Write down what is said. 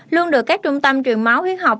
luôn được các trung tâm truyền máu huyết học